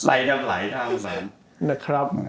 สายทั้งหลายทางแบบนั้น